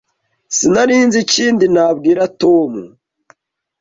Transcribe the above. Sinari nzi ikindi nabwira Tom.